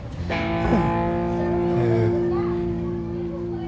nanti gua kasih tau ke mama deh